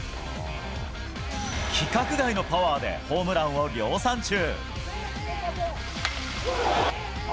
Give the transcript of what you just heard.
規格外のパワーでホームランを量産中。